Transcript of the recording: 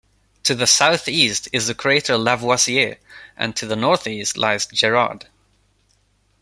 To the southeast is the crater Lavoisier, and to the northeast lies Gerard.